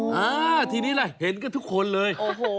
นะคะทีนี้ล่ะเห็นกันทุกคนเลย